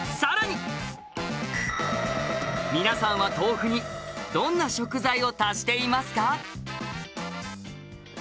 皆さんは豆腐にどんな食材を足していますか？